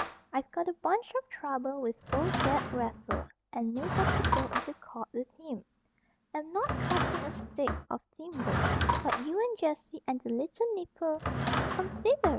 I've got a bunch of trouble with old Ged Raffer and may have to go into court with him. Am not cutting a stick of timber. But you and Jessie and the little nipper," ("Consider!"